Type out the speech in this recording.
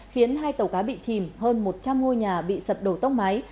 khiến hai tàu cá bị chìm hơn một trăm linh ngôi nhà bị sập đổ tốc máy